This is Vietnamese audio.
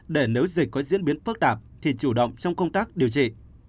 để nếu dịch có diễn biến phức tạp thì chủ động trong công tác điều trị